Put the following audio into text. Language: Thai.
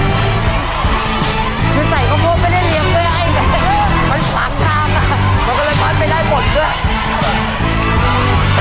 นั่นแหละแล้วพี่ถุงรอไว้เลยครับใช่ครับดีมาก